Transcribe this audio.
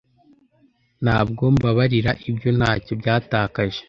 ntabwo mbabarira ibyo ntacyo byatakaje